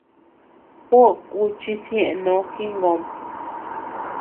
Juó kuchis ñeʼe no jingöm.